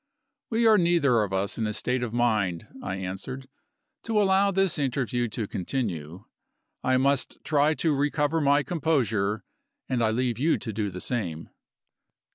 "We are neither of us in a state of mind," I answered, "to allow this interview to continue. I must try to recover my composure; and I leave you to do the same."